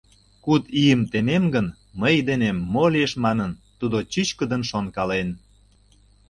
Куд ийым темем гын, мый денем мо лиеш манын, тудо чӱчкыдын шонкален.